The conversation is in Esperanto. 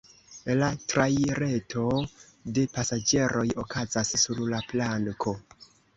La trairejo de pasaĝeroj okazas sur la planko.